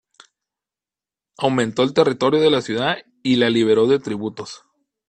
Aumentó el territorio de la ciudad y la liberó de tributos.